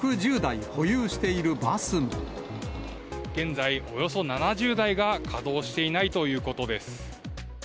現在、およそ７０台が稼働していないということです。